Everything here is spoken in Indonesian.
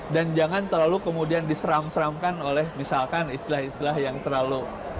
dan jangan terlalu kemudian diseram seramkan oleh misalkan istilah istilah yang terlalu